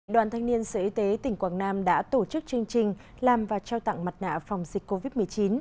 đoàn thanh niên sở y tế tỉnh quảng nam đã tổ chức chương trình làm và trao tặng mặt nạ phòng dịch covid một mươi chín